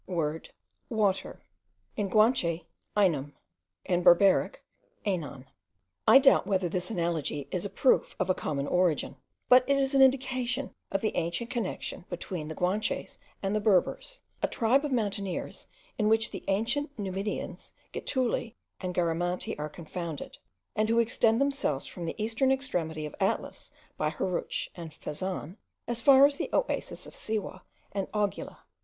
Water : Aenum : Anan. I doubt whether this analogy is a proof of a common origin; but it is an indication of the ancient connexion between the Guanches and Berbers, a tribe of mountaineers, in which the ancient Numidians, Getuli, and Garamanti are confounded, and who extend themselves from the eastern extremity of Atlas by Harutsh and Fezzan, as far as the oasis of Siwah and Augela.